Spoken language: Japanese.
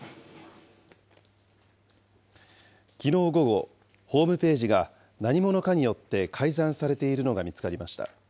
きのう午後、ホームページが何者かによって改ざんされているのが見つかりました。